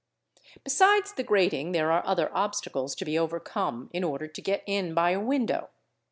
|| Besides the grating there are other obstacles to be overcome in order to get in by a window.